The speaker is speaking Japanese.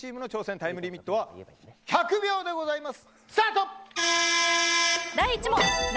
タイムリミット１００秒でございます。